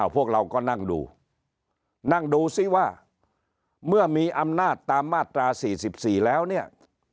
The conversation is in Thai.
พวกเราก็นั่งดูนั่งดูซิว่าเมื่อมีอำนาจตามมาตรา๔๔แล้วเนี่ย